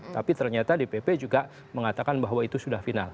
tapi ternyata dpp juga mengatakan bahwa itu sudah final